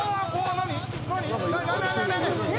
何？